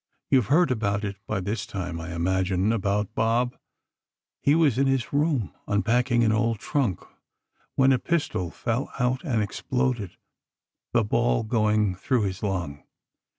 You have heard about it by this time, I imagine—about Bob: He was in his room, unpacking an old trunk, when a pistol fell out and exploded, the ball going through his lung.